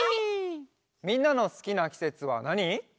みんなのすきなきせつはなに？